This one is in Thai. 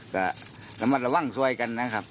แต่แล้วมันระวั่งสวยกันนะครับ